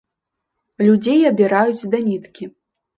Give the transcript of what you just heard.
Людзей абіраюць да ніткі.